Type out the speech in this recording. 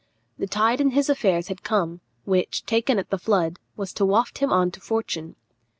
The tide in his affairs had come, which, taken at the flood, was to waft him on to fortune.